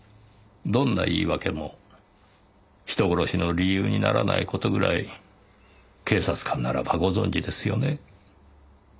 どんな言い訳も人殺しの理由にならない事ぐらい警察官ならばご存じですよね？